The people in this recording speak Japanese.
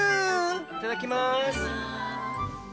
いただきます。